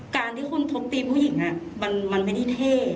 การที่คุณทุบตีผู้หญิงมันไม่ได้เท่